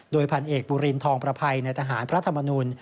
โดยพันเอกบุรินทองประภัยในทหารพระธรรมนุน